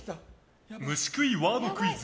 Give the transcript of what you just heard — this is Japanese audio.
虫食いワードクイズ！